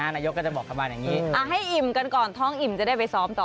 นายกก็จะบอกประมาณอย่างนี้ให้อิ่มกันก่อนท้องอิ่มจะได้ไปซ้อมต่อ